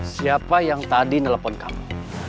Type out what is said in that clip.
siapa yang tadi nelfon kamu